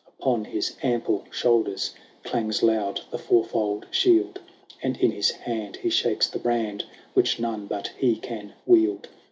Upon his ample shoulders Clangs loud the four fold shield. And in his hand he shakes the brand Which none but he can wield.